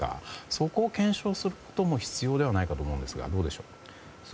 そこを検証することも必要ではないかと思うんですがどうでしょう。